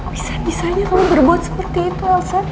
bisa bisanya kamu berbuat seperti itu alasan